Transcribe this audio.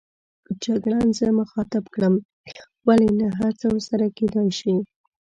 جګړن زه مخاطب کړم: ولې نه، هرڅه ورسره کېدای شي.